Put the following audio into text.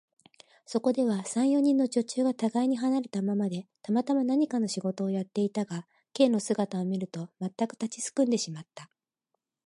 そこでは、三、四人の女中がたがいに離れたままで、たまたま何かの仕事をやっていたが、Ｋ の姿を見ると、まったく立ちすくんでしまった。